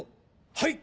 はい！